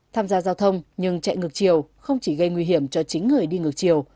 tham gia giao thông nhưng chạy ngược chiều không chỉ gây nguy hiểm cho chính người đi ngược chiều